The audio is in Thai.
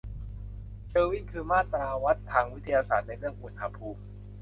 เคลวินคือมาตราวัดทางวิทยาศาสตร์ในเรื่องอุณหภูมิ